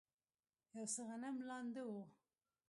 یو څه غنم لانده و.